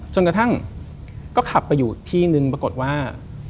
จนกระทั่งก็ขับไปอยู่ที่นึงปรากฏว่า